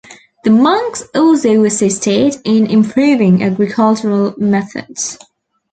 The monks also assisted in improving agricultural methods.